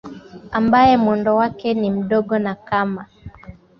ambaye mwendo wake ni mdogo na kama